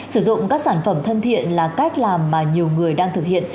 sử dụng các sản phẩm thân thiện là cách làm mà nhiều người đang thực hiện